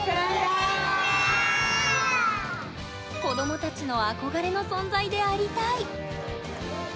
子どもたちの憧れの存在でありたい。